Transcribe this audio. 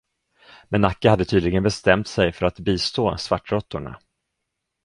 Men Akka hade tydligen bestämt sig för att bistå svartråttorna.